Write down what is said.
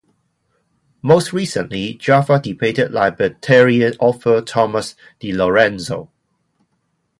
Most recently, Jaffa debated libertarian author Thomas DiLorenzo.